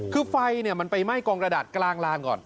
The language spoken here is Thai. คือไฟมันไปไหม้กองกระดาษกลางลานก่อน